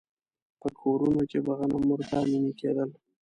په کورونو کې به غنم ورته نينې کېدل.